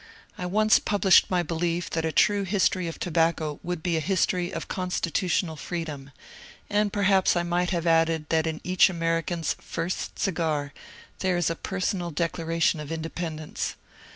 I once published my belief that a true history of tobacco would be a history of constitutional freedom, and perhaps I might have added that in each American's first cigar there is a personal declaration of independence.